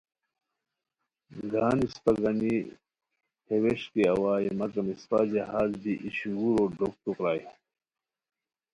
گان اسپہ گانی ہے وݰکی اوائے مگم اسپہ جہاز بی ای شوغورو ڈوکتو پرائے